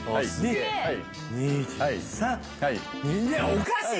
おかしい